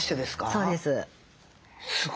そうです。